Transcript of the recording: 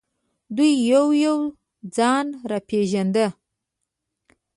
دوی یو یو ځان را پېژانده.